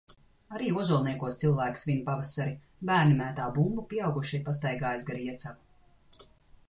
Arī Ozolniekos cilvēki svin pavasari – bērni mētā bumbu, pieaugušie pastaigājas gar Iecavu.